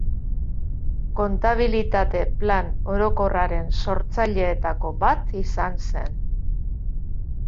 Kontabilitate Plan Orokorraren sortzaileetako bat izan zen.